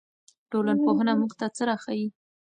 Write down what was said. ټولنپوهنه موږ ته څه راښيي؟